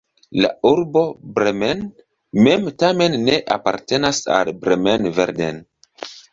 La urbo Bremen mem tamen ne apartenas al Bremen-Verden.